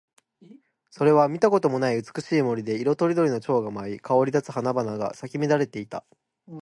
そこは見たこともない美しい森で、色とりどりの蝶が舞い、香り立つ花々が咲き乱れていた。